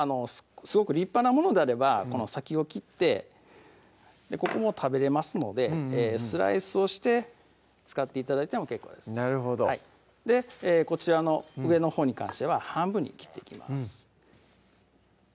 すごく立派なものであればこの先を切ってここも食べれますのでスライスをして使って頂いても結構ですなるほどこちらの上のほうに関しては半分に切っていきます